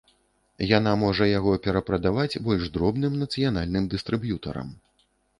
Яна можа яго перапрадаваць больш дробным нацыянальным дыстрыб'ютарам.